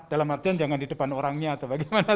dalam artian jangan di depan orangnya atau bagaimana